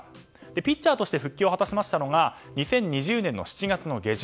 ピッチャーとして復帰を果たしたのが２０２０年の７月下旬。